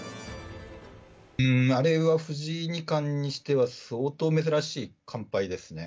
あれは藤井二冠にしては相当珍しい完敗ですね。